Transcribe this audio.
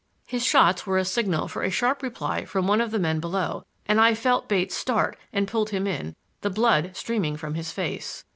His shots were a signal for a sharp reply from one of the men below, and I felt Bates start, and pulled him in, the blood streaming from his face.